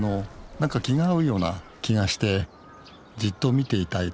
何か気が合うような気がしてじっと見ていたいという。